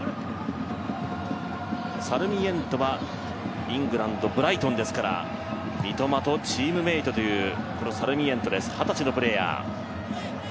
サルミエントはイングランドブライトンですから三笘とチームメートという、二十歳のプレーヤー。